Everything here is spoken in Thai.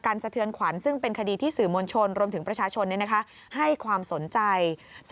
สะเทือนขวัญซึ่งเป็นคดีที่สื่อมวลชนรวมถึงประชาชนให้ความสนใจ